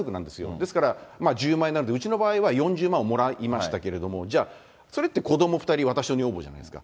ですから、１０万円になるとうちの場合は４０万円をもらいましたけど、じゃあ、それって子ども２人、私と女房じゃないですか。